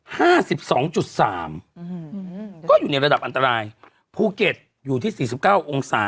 ห้าสิบสองจุดสามอืมก็อยู่ในระดับอันตรายภูเก็ตอยู่ที่สี่สิบเก้าองศา